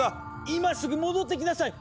今すぐ戻ってきなさい！